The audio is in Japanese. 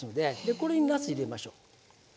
これになす入れましょう。